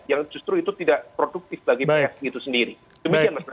yang justru itu tidak produktif bagi psi itu sendiri